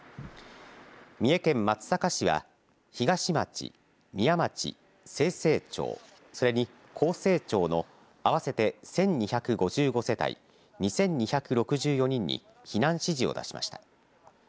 三重県松阪市は、東町、宮町、清生町、それに幸生町の合わせて１２５５世帯２２６４人に避難指示を出しました。